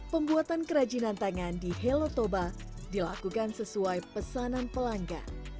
pembuatan kerajinan tangan di helotoba dilakukan sesuai pesanan pelanggan